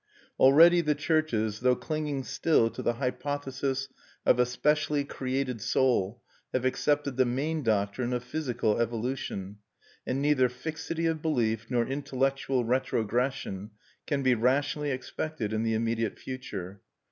Already the churches, though clinging still to the hypothesis of a specially created soul, have accepted the main doctrine of physical evolution; and neither fixity of belief nor intellectual retrogression can be rationally expected in the immediate future.